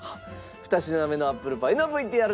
２品目のアップルパイのＶＴＲです。